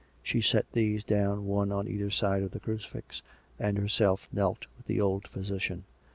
She set these down one on either side of the crucifix, and herself knelt with the old physician.